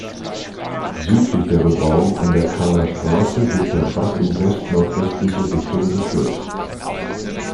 Südlich der Bebauung an der Cranger Straße wird der Bach in west-nordwestliche Richtung geführt.